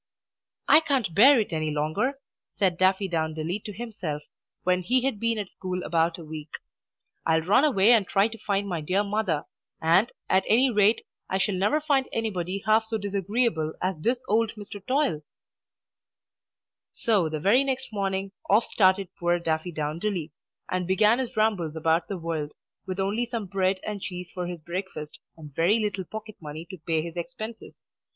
"I can't bear it any longer," said Daffydowndilly to himself, when he had been at school about a week. "I'll run away and try to find my dear mother; and, at any rate, I shall never find anybody half so disagreeable as this old Mr. Toil!" So the very next morning, off started poor Daffydowndilly, and began his rambles about the world, with only some bread and cheese for his breakfast, and very little pocket money to pay his expenses.